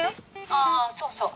ああそうそう。